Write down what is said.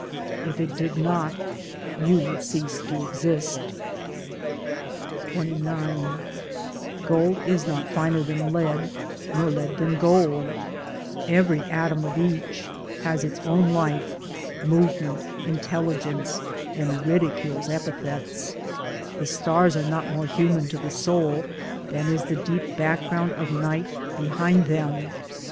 If it did not, you would cease to exist. XXIX Gold is not finer than lead, nor lead than gold (every atom of each has its own life movement intelligence, and ridicules epithets) ; The stars are not more human to the soul than is the deep background of Night behind them.